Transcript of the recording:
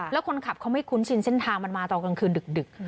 แล้วคนขับเขาไม่คุ้นชินเส้นทางมันมาตอนกลางคืนดึก